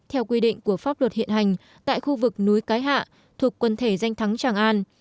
theo quy định của pháp luật hiện hành tại khu vực núi cái hạ thuộc quần thể danh thắng tràng an